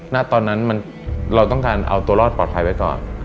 ณตอนนั้นเราต้องการเอาตัวรอดปลอดภัยไว้ก่อน